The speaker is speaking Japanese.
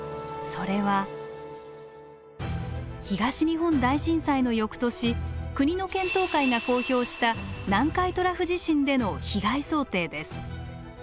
それは東日本大震災の翌年国の検討会が公表した南海トラフ地震での被害想定です。